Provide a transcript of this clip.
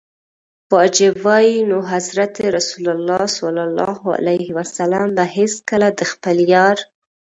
واجب وای نو حضرت رسول ص به هیڅکله د خپل یار.